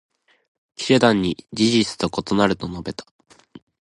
記者団に「事実と異なる」と述べた。